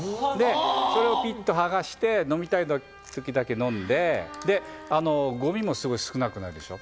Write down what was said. それをピッと剥がして飲みたい時だけ飲んで、ゴミもすごく少ないでしょ。